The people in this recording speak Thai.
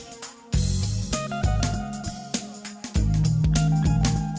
ก็จะเป็นตอนนี้